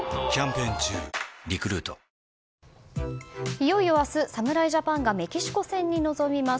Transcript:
いよいよ明日、侍ジャパンがメキシコ戦に臨みます。